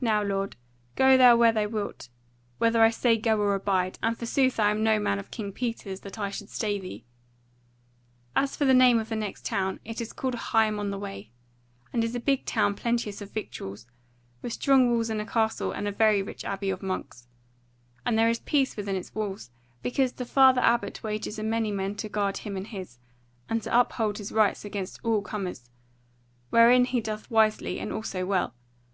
Now, lord, go thou where thou wilt, whether I say go or abide; and forsooth I am no man of King Peter's, that I should stay thee. As for the name of the next town, it is called Higham on the Way, and is a big town plenteous of victuals, with strong walls and a castle, and a very rich abbey of monks: and there is peace within its walls, because the father abbot wages a many men to guard him and his, and to uphold his rights against all comers; wherein he doth wisely, and also well.